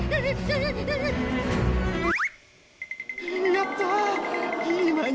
やった！